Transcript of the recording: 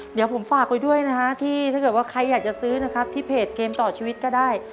เดี๋ยวผมฝากไว้ด้วยนะฮะที่ถ้าเกิดว่าใครอยากจะซื้อนะครับที่เพจเกมต่อชีวิตก็ได้